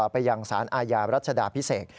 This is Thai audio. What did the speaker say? ไปยังสารอาญารัชดาพิเศษ